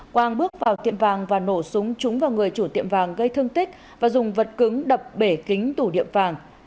quang bước vào tiệm vàng và nổ súng trúng vào người chủ tiệm vàng gây thương tích và dùng vật cứng đập bể kính tủ tiệm vàng